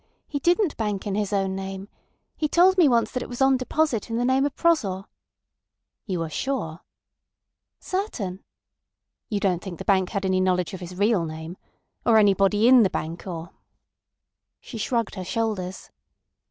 He didn't bank in his own name. He told me once that it was on deposit in the name of Prozor." "You are sure?" "Certain." "You don't think the bank had any knowledge of his real name? Or anybody in the bank or—" She shrugged her shoulders.